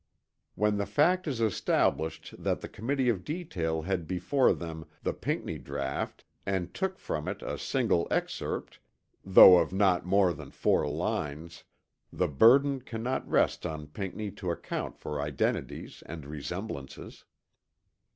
When the fact is established that the Committee of Detail had before them the Pinckney draught and took from it a single excerpt, though of not more than four lines, the burden cannot rest on Pinckney to account for identities and resemblances.